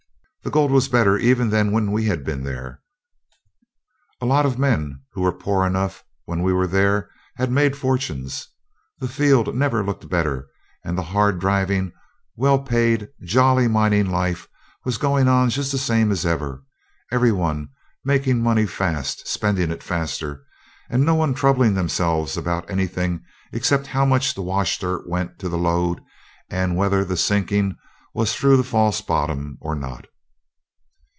The gold was better even than when we were there. A lot of men who were poor enough when we were there had made fortunes. The field never looked better, and the hard driving, well paid, jolly mining life was going on just the same as ever; every one making money fast spending it faster and no one troubling themselves about anything except how much the washdirt went to the load, and whether the sinking was through the false bottom or not.